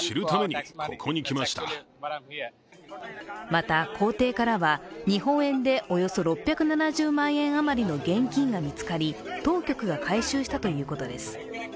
また公邸からは日本円でおよそ６７０万円あまりの現金が見つかり当局が回収したということです。